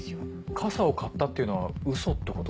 傘を買ったっていうのはウソってこと？